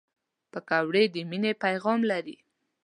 پکورې د مینې پیغام لري